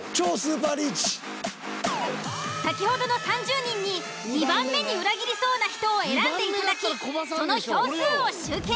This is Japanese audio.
先ほどの３０人に２番目に裏切りそうな人を選んでいただきその票数を集計。